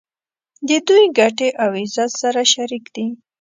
د دوی ګټې او عزت سره شریک دي.